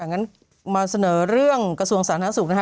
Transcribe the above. งั้นมาเสนอเรื่องกระทรวงสาธารณสุขนะคะ